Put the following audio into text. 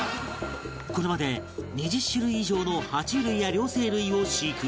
これまで２０種類以上の爬虫類や両生類を飼育